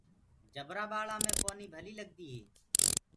جبرآ ٻآݪآنٚ مي پونيٚ ڀليٚ لگديٚ هي۔